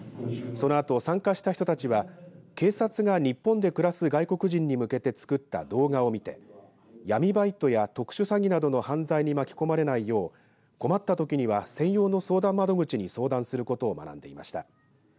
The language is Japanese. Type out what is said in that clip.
そのあと参加した人たちは警察が日本で暮らす外国人に向けて作った動画を見て闇バイトや特殊詐欺などの犯罪に巻き込まれないよう困ったときには専用の相談窓口に相談することを学んでいました。